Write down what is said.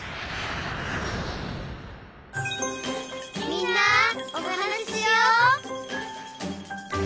「みんなおはなししよう」